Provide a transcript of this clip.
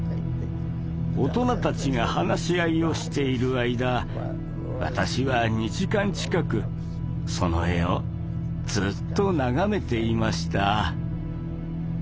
大人たちが話し合いをしている間私は２時間近くその絵をずっと眺めていました。